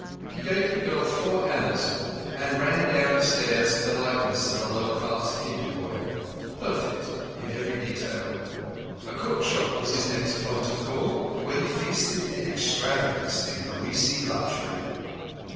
He gave the girl four annas, and ran down the stairs in the likeness of a low caste Hindu boy—perfect in every detail. A cookshop was his next point of call, where he feasted in extravagance and greasy luxury.